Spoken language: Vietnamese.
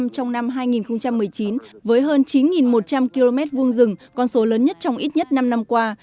trong năm hai nghìn một mươi chín với hơn chín một trăm linh km vuông rừng con số lớn nhất trong ít nhất năm năm qua